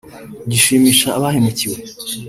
gishimisha abahemukiwe